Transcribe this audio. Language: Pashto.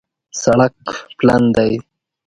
سړک پلن دی